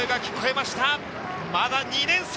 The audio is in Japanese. まだ２年生。